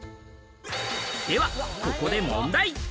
では、ここで問題。